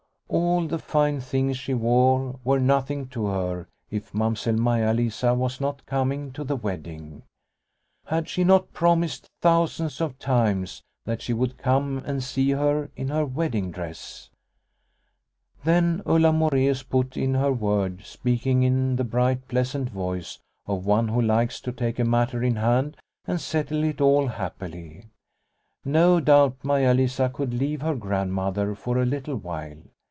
All the fine things she wore were nothing to her if Mamsell Maia Lisa was not coming to the wedding ! Had she not promised thousands of times that she would come and see her in her wedding dress ? Then Ulla Moreus put in her word, speaking in the bright, pleasant voice of one who likes to take a matter in hand and settle it all happily. No doubt Maia Lisa could leave her Grand mother for a little while.